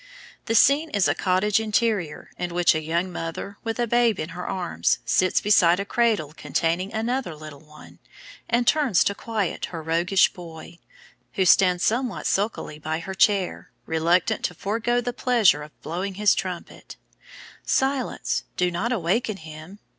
The scene is a cottage interior, in which a young mother, with a babe in her arms, sits beside a cradle containing another little one, and turns to quiet her roguish boy, who stands somewhat sulkily by her chair, reluctant to forego the pleasure of blowing on his trumpet. "Silence! do not awaken him!"